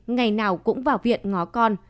ngày nào cũng vào viện ngó con